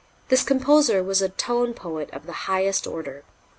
This composer was a tone poet of the highest order.